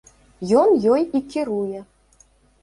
Ён ёй і кіруе.